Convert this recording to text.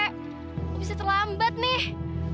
aku bisa terlambat nih